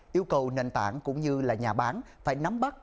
yêu cầu nền tảng cũng như là nhà bán phải nắm bắt